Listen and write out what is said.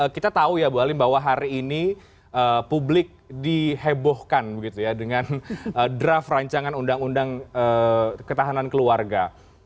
kita tahu ya bu halim bahwa hari ini publik dihebohkan begitu ya dengan draft rancangan undang undang ketahanan keluarga